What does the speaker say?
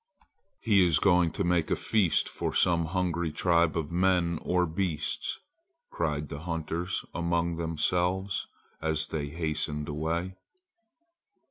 "He is going to make a feast for some hungry tribe of men or beasts!" cried the hunters among themselves as they hastened away.